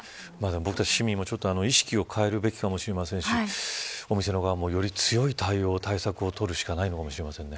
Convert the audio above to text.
僕たち市民も意識を変えるべきかもしれませんしお店側も強い対応、対策を取るしかないかもしれません。